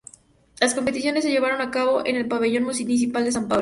Las competiciones se llevaron a cabo en el Pabellón Municipal de San Pablo.